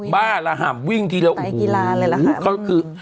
บ้าละห่ำวิ่งดีแล้วโอ้โหเขาคือ